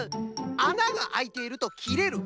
「あながあいている」と「きれる」。